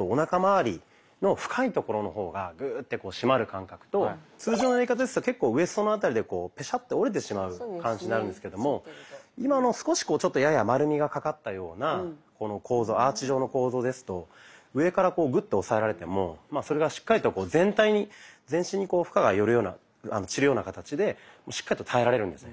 おなかまわりの深いところの方がグッと締まる感覚と通常のやり方ですと結構ウエストの辺りでペシャッて折れてしまう感じになるんですけども今の少しやや丸みがかかったようなアーチ状の構造ですと上からこうグッと押さえられてもそれがしっかりと全体に全身に負荷が散るような形でしっかりと耐えられるんですね。